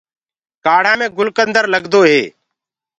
ڪآڙهآ مي گُلڪندر لگدو هي۔